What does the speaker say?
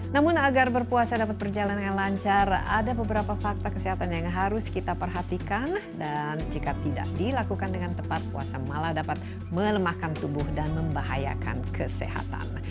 namun agar berpuasa dapat berjalan dengan lancar ada beberapa fakta kesehatan yang harus kita perhatikan dan jika tidak dilakukan dengan tepat puasa malah dapat melemahkan tubuh dan membahayakan kesehatan